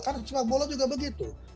karena sepak bola juga begitu